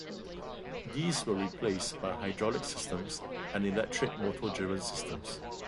These were replaced by hydraulic systems and electric motor-driven systems.